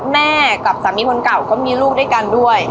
แม่กับสามีคนเก่าก็มีลูกด้วย